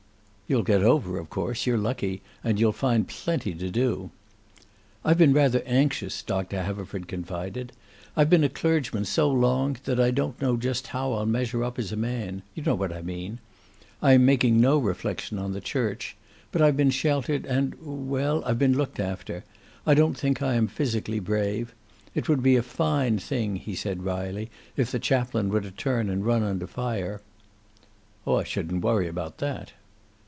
"You'll get over, of course. You're lucky. And you'll find plenty to do." "I've been rather anxious," Doctor Haverford confided. "I've been a clergyman so long that I don't know just how I'll measure up as a man. You know what I mean. I am making no reflection on the church. But I've been sheltered and well, I've been looked after. I don't think I am physically brave. It would be a fine thing," he said wryly, "if the chaplain were to turn and run under fire!" "I shouldn't worry about that."